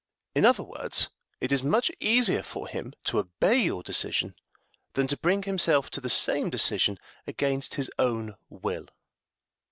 In other words, it is much easier for him to obey your decision than to bring himself to the same decision against his own will.